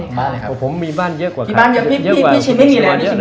พี่ชินไม่เนี่ยเลยก็มีบ้านเยอะกว่าใคร